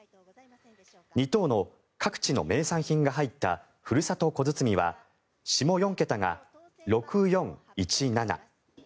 ２等の各地の名産品が入ったふるさと小包は下４桁が６４１７。